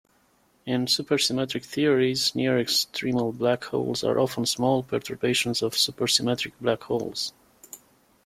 In supersymmetric theories, near-extremal black holes are often small perturbations of supersymmetric black holes.